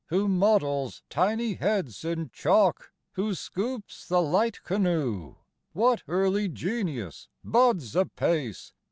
Who models tiny heads in chalk? Who scoops the light canoe? What early genius buds apace?